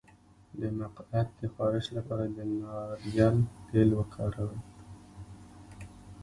د مقعد د خارش لپاره د ناریل تېل وکاروئ